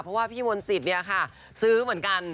เพราะว่าพี่มนต์สิทธิ์เนี่ยค่ะซื้อเหมือนกัน